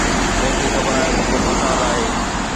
ڪنهن کي خبر آهي ته ڪو فساد آهي؟